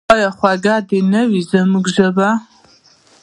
آیا خوږه دې نه وي زموږ ژبه؟